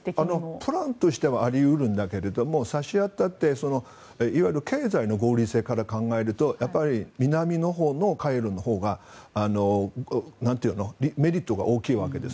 プランとしてはあり得るんだけど差し当たって、いわゆる経済の合理性から考えると南のほうの海路のほうがメリットが大きいわけです。